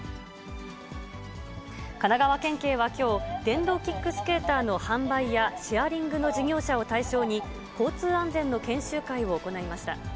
神奈川県警はきょう、電動キックスケーターの販売やシェアリングの事業者を対象に、交通安全の研修会を行いました。